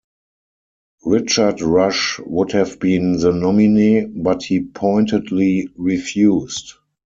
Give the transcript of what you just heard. Richard Rush would have been the nominee, but he pointedly refused.